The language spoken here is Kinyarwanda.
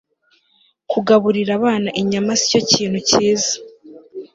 Kugaburira abana inyama sicyo kintu cyiza